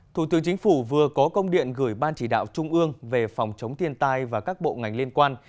thủ tướng chính phủ vừa có công điện gửi ban chỉ đạo trung ương về phòng chống thiên tai và các bộ ngành liên quan